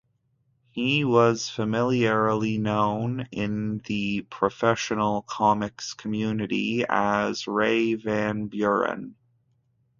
He was familiarly known in the professional comics community as Ray Van Buren.